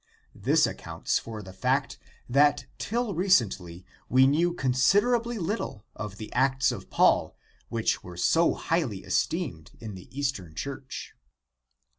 This accounts for the fact that till recently we knew considerably little of the Acts of Paul which were so highly esteemed in the Eastern Church.